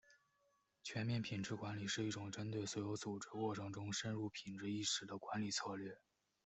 全面品质管理是一种针对所有组织过程中深入品质意识的管理策略。